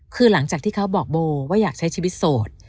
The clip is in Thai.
คือหลังจากที่เขาบอกโบว่าอยากใช้ชีวิตโสด